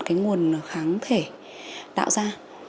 cái nguồn kháng thể tạo ra